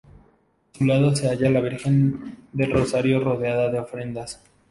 A su lado se halla la Virgen del Rosario rodeada de ofrendas.